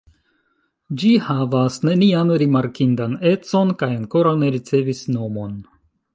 Ĝi havas nenian rimarkindan econ kaj ankoraŭ ne ricevis nomon.